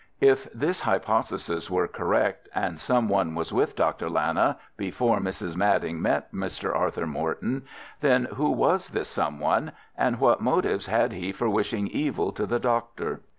If this hypothesis were correct, and someone was with Dr. Lana before Mrs. Madding met Mr. Arthur Morton, then who was this someone, and what motives had he for wishing evil to the doctor?